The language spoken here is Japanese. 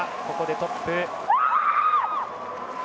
ここでトップ。